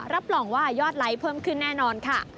รับรองว่ายอดไลค์เพิ่มขึ้นแน่นอนค่ะ